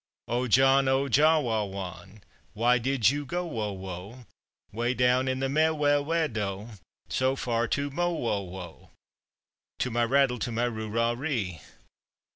"O John, O Joh wa wahn, Why did you go wo wo Way down in the mea we we dow So far to mo wo wow?" To my rattle, to my roo rah ree!